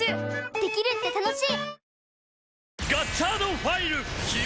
できるって楽しい！